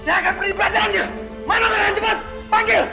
saya akan pergi belajarannya mana yang cepat panggil